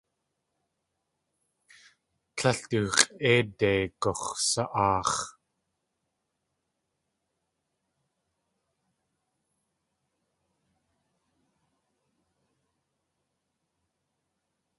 Tlél du x̲ʼéide gux̲sa.aax̲.